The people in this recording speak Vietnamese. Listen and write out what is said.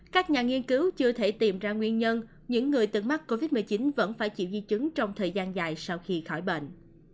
các nhà nghiên cứu chưa thể tìm ra nguyên nhân những người từng mắc covid một mươi chín vẫn phải chịu di chứng trong thời gian dài sau khi khỏi bệnh